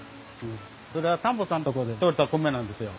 それは田んぼさんのとこで取れた米なんですよ。